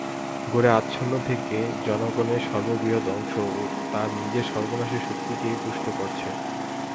ঘোরে আচ্ছন্ন থেকে জনগণের বৃহৎ অংশ তার নিজের সর্বনাশের শক্তিকেই পুষ্ট করছে।